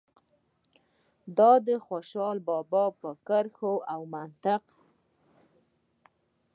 د خوشال بابا په کرښه او منطق.